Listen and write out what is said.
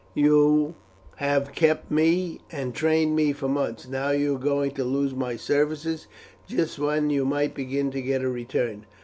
You have kept me and trained me for months. Now you are going to lose my services just when you might begin to get a return.